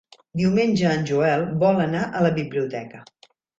Diumenge en Joel vol anar a la biblioteca.